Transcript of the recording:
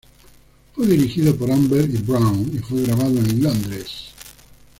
Fue dirigido por Amber y Brown y fue grabado en Londres.